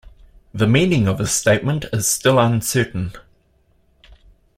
The meaning of his statement is still uncertain.